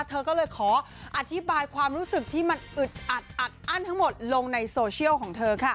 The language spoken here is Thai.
เธอก็เลยขออธิบายความรู้สึกที่มันอึดอัดอัดอั้นทั้งหมดลงในโซเชียลของเธอค่ะ